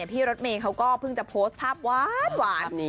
พี่รถเมย์เขาก็เพิ่งจะโพสต์ภาพหวาน